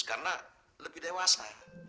karena lebih dewasa